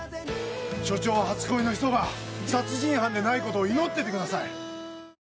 署長の初恋の人が殺人犯でないことを祈っていてください。